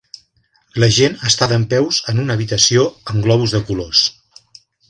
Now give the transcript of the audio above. La gent està dempeus en una habitació amb globus de colors.